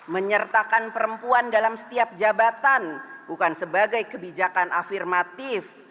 menyertakan perempuan dalam setiap jabatan bukan sebagai kebijakan afirmatif